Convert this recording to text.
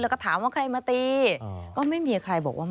แล้วก็ถามว่าใครมาตีก็ไม่มีใครบอกว่า